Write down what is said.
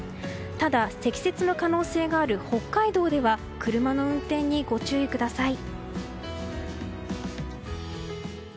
ただ、積雪の可能性がある北海道では車の運転にご注意ください。